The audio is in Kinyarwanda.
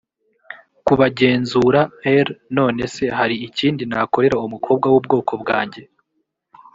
kubagenzura r none se hari ikindi nakorera umukobwa w ubwoko bwanjye